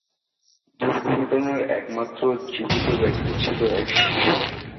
দুর্ঘটনার একমাত্র জীবিত ব্যক্তি ছিল এক শিশু।